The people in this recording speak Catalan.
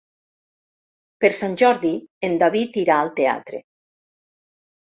Per Sant Jordi en David irà al teatre.